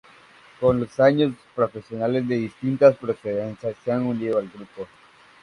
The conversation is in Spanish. Con los años, profesionales de distintas procedencias se han unido al grupo.